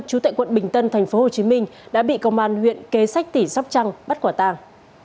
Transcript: chú tại quận bình tân tp hcm đã bị công an huyện kế sách tỉ sóc trăng bắt quả tàng